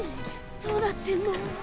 どうなってんの？